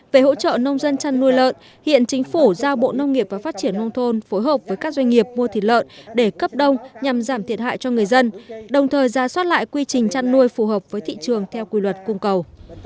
về hỗ trợ nông dân chăn nuôi lợn hiện chính phủ giao bộ nông nghiệp và phát triển nông thôn phối hợp với các doanh nghiệp mua thịt lợn để cấp đông nhằm giảm thiệt hại cho người dân đồng thời ra soát lại quy trình chăn nuôi phù hợp với thị trường theo quy luật cung cầu